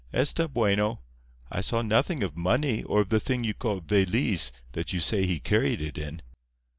Está bueno. I saw nothing of money or of the thing you call veliz that you say he carried it in."